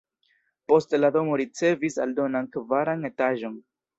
Poste la domo ricevis aldonan kvaran etaĝon.